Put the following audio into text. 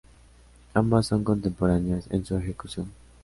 Ambas son contemporáneas en su ejecución.